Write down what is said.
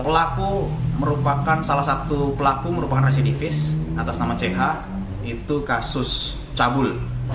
pelaku merupakan salah satu pelaku merupakan residivis atas nama ch itu kasus cabul